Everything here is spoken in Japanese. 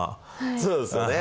そうですよね。